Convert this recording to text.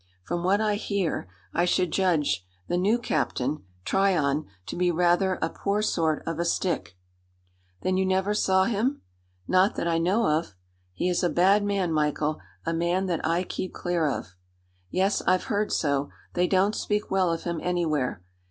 From what I hear, I should judge the new captain Tryon to be rather a poor sort of a stick." "Then you never saw him?" "Not that I know of." "He is a bad man, Michael a man that I keep clear of." "Yes, I've heard so. They don't speak well of him anywhere.